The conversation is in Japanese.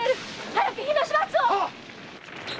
早く火の始末を！